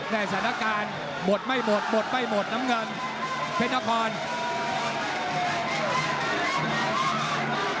สถานการณ์หมดไม่หมดหมดไม่หมดน้ำเงินเพชรนคร